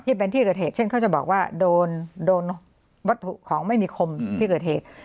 ที่เป็นที่เกิดเหตุเช่นเขาจะบอกว่าโดนวัตถุของไม่มีคมที่เกิดเหตุ